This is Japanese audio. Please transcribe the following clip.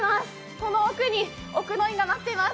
この奥に奥の院が待っています。